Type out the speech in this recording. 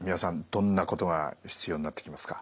どんなことが必要になってきますか？